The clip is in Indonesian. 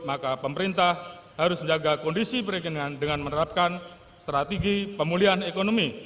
maka pemerintah harus menjaga kondisi perikanan dengan menerapkan strategi pemulihan ekonomi